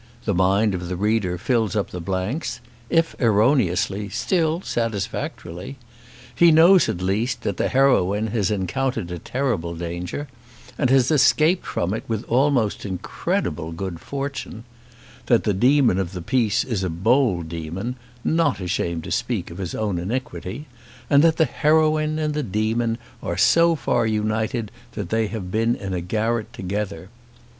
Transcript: The mind of the reader fills up the blanks, if erroneously, still satisfactorily. He knows, at least, that the heroine has encountered a terrible danger, and has escaped from it with almost incredible good fortune; that the demon of the piece is a bold demon, not ashamed to speak of his own iniquity, and that the heroine and the demon are so far united that they have been in a garret together.